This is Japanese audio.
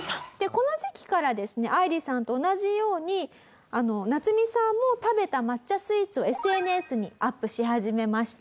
この時期からですね愛理さんと同じようにナツミさんも食べた抹茶スイーツをＳＮＳにアップし始めました。